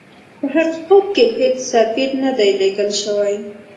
په حقیقت کې هیڅ سفیر نه دی لېږل سوی.